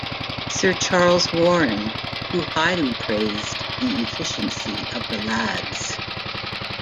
Sir Charles Warren, who highly praised the efficiency of the lads.